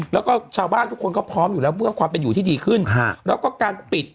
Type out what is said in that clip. แล้วก็ชาวบ้านทุกคนก็พร้อมอยู่แล้วเพื่อความเป็นอยู่ที่ดีขึ้นแล้วก็การปิด